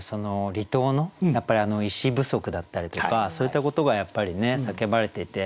離島の医師不足だったりとかそういったことがやっぱり叫ばれていて。